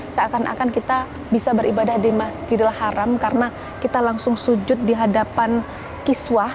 seakan akan kita bisa beribadah di masjidil haram karena kita langsung sujud di hadapan kiswah